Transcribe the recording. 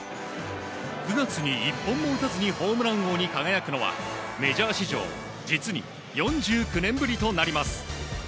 ９月に１本も打たずにホームラン王に輝くのはメジャー史上実に４９年ぶりとなります。